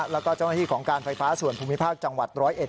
แล้วก็เจ้าหน้าที่ของการไฟฟ้าส่วนภูมิภาคจังหวัด๑๐๑